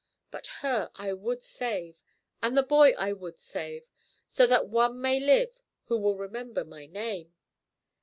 But her I would save, and the boy I would save, so that one may live who will remember my name.